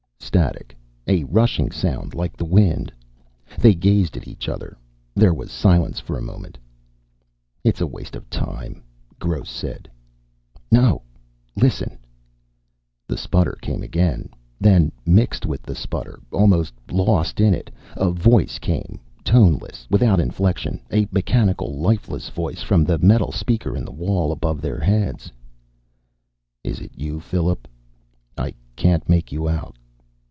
Static. A rushing sound, like the wind. They gazed at each other. There was silence for a moment. "It's a waste of time," Gross said. "No listen!" The sputter came again. Then, mixed with the sputter, almost lost in it, a voice came, toneless, without inflection, a mechanical, lifeless voice from the metal speaker in the wall, above their heads. "... Is it you, Philip? I can't make you out.